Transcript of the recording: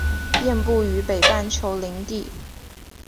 遍布于北半球林地。